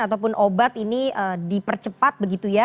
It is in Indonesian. ataupun obat ini dipercepat begitu ya